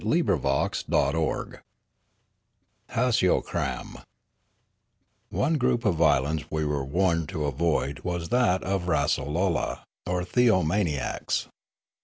CHAPTER XXXIII O HACIOCRAM NE group of islands we were warned to avoid was that of the Rasolola, or theomaniacs.